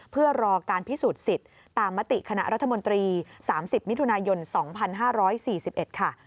เพื่อรอการพิสูจน์สิทธิ์ตามมติคณะรัฐมนตรี๓๐มิถุนายน๒๕๔๑ค่ะ